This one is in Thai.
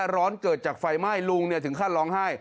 ร้อนเกิดจากไฟไหม้ลุงถึงขั้นร้องไห้